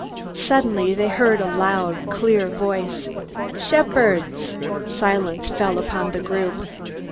Suddenly they heard a loud, clear voice. "Shepherds!" Silence fell upon the group.